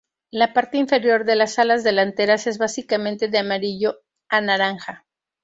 La parte inferior de las alas delanteras es básicamente de amarillo a naranja.